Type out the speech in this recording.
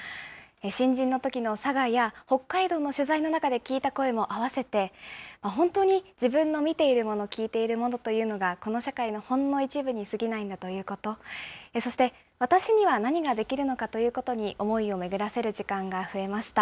新人のときの佐賀や、北海道の取材の中で聞いた声も合わせて、本当に自分の見ているもの、聞いているものというのが、この社会のほんの一部に過ぎないんだということ、そして、私には何ができるのかということに思いを巡らせる時間が増えました。